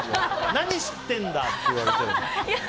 何知ってんだ！って言われちゃうよ。